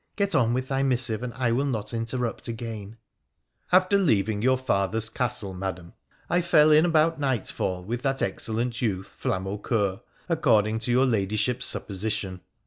Get on with thy missive, and I will not interrupt again.' PHRA THE PHCENICIAN 195 After leaving your father' 's castle, Madam, I fell in about nightfall with that excellent youth, Flamaucceur, according to your ladyship's supposition.